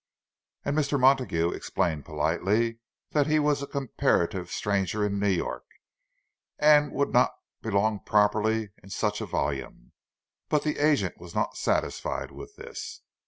And Mr. Montague explained politely that he was a comparative stranger in New York, and would not belong properly in such a volume. But the agent was not satisfied with this.